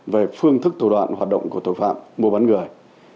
về phương thức thủ đoạn hoạt động của tội phạm mua bán người